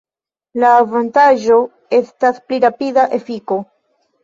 La avantaĝo estas pli rapida efiko.